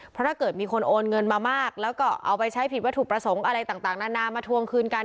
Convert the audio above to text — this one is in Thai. เพราะถ้าเกิดมีคนโอนเงินมามากแล้วก็เอาไปใช้ผิดวัตถุประสงค์อะไรต่างนานามาทวงคืนกัน